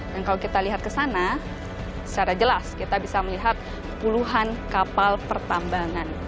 dan kalau kita lihat ke sana secara jelas kita bisa melihat puluhan kapal pertambangan